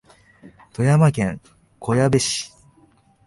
富山県小矢部市